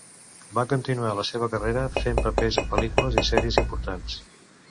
Va continuar la seva carrera fent papers en pel·lícules i sèries importants.